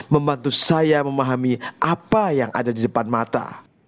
membantu saya memahami apa yang ada di depan mata